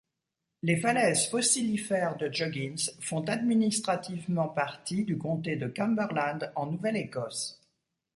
Les falaises fossilifères de Joggins font administrativement partie du comté de Cumberland, en Nouvelle-Écosse.